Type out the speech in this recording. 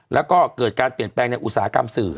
แล้วก็เกิดการเปลี่ยนแปลงในอุตสาหกรรมสื่อ